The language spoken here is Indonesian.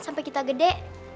sampai kita gede